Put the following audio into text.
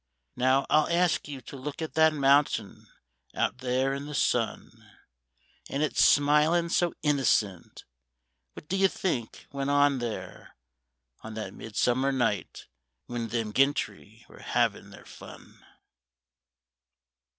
Now I'll ask you to look at that mountain out there in the sun, An' it smilin' so innocent, what do y' think went on there On that midsummer night whin thim gintry were havin' their fun